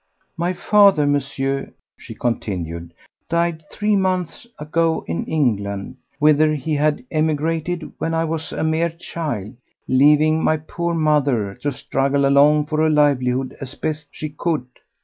"My father, Monsieur," she continued, "died three months ago, in England, whither he had emigrated when I was a mere child, leaving my poor mother to struggle along for a livelihood as best she could.